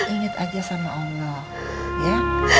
ingat aja sama allah ya